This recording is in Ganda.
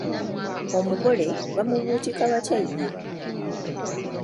Omugole bamubutika batya ye?